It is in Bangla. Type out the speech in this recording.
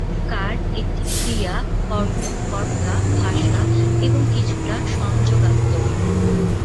কার একটি ক্রিয়া-কর্ম-কর্তা ভাষা এবং কিছুটা সংযোগাত্নক।